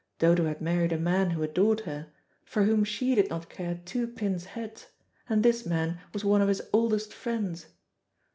Dodo had married a man who adored her, for whom she did not care two pins' heads, and this man was one of his oldest friends.